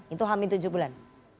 itu hamil tujuh bulan